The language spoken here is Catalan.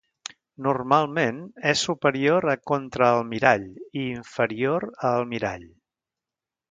Normalment és superior a Contraalmirall i inferior a almirall.